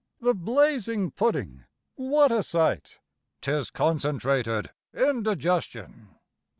) The blazing pudding what a sight! ('Tis concentrated indigestion!